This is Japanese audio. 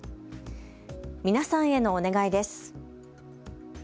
皆さんへのお願いです。